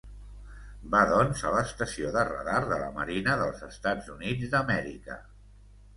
Va doncs a l'estació de radar de la Marina dels Estats Units d'Amèrica.